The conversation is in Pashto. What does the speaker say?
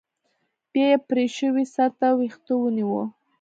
بيا يې پرې شوى سر تر ويښتو ونيو.